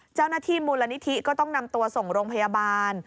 เจ้าหน้าที่มูลนิธิก็ต้องนำตัวส่งโรงพยาบาล